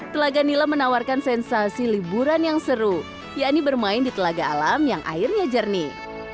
telaga nila menawarkan sensasi liburan yang seru yakni bermain di telaga alam yang airnya jernih